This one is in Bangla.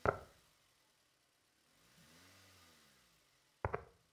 এভাবে লাইসেন্স দেওয়ায় তাঁদের কাজ কমে যাবে এবং তাঁরা অর্থসংকটে পড়বেন।